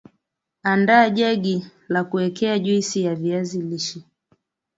andaa jagi lakuwekea juisi ya viazi lishe